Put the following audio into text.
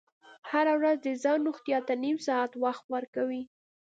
هره ورځ د ځان روغتیا ته نیم ساعت وخت ورکوئ.